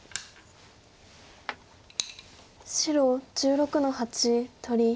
白１６の八取り。